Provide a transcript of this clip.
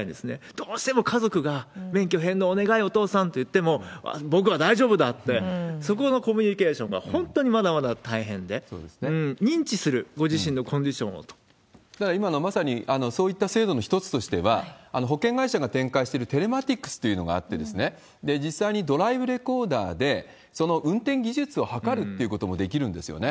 どうしても家族が、免許返納お願い、お父さんって言っても、僕は大丈夫だ！って、そこのコミュニケーションが本当にまだまだ大変で、認知する、だから今の、まさにそういった制度の一つとしては、保険会社が展開しているテレマティックスというのがあって、実際にドライブレコーダーで、その運転技術を測るっていうこともできるんですよね。